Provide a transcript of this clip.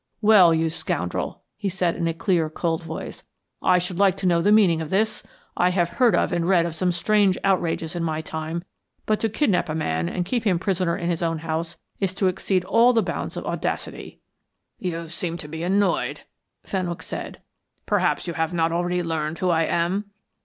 "Well, you scoundrel," he said in a clear, cold voice, "I should like to know the meaning of this. I have heard of and read of some strange outrages in my time, but to kidnap a man and keep him prisoner in his own house is to exceed all the bounds of audacity." "You appear to be annoyed," Fenwick said. "Perhaps you have not already learned who I am?"